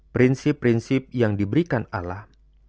prinsip prinsip yang diberikan allah